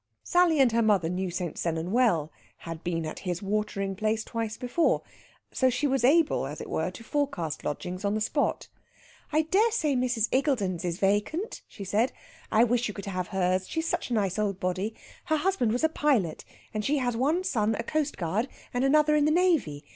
Sally and her mother knew St. Sennan well had been at his watering place twice before so she was able, as it were, to forecast lodgings on the spot. "I dare say Mrs. Iggulden's is vacant," she said. "I wish you could have hers, she's such a nice old body. Her husband was a pilot, and she has one son a coastguard and another in the navy.